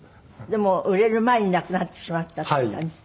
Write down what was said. でも売れる前に亡くなってしまったっていう感じ。